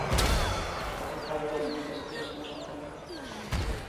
Estás a traballar en moitas cousas ao mesmo tempo.